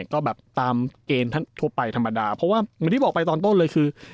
ก็แบบตามเกณฑ์ท่านทั่วไปธรรมดาเพราะว่าเหมือนที่บอกไปตอนต้นเลยคือ